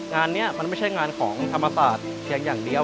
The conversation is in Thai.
งานนี้มันไม่ใช่งานของธรรมศาสตร์เพียงอย่างเดียว